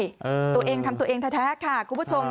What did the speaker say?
ตัวเองทำตัวเองแท้ค่ะคุณผู้ชม